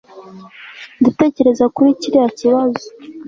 ndatekereza kuri kiriya kibazo